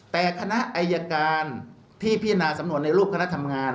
แต่คณะอายการที่พิจารณาสำนวนในรูปคณะทำงาน